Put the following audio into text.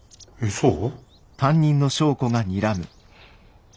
そう？